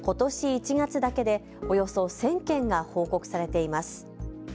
１月だけでおよそ１０００件が報告されています。